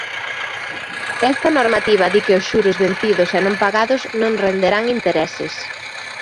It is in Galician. Esta normativa di que os xuros vencidos e non pagados non renderán intereses.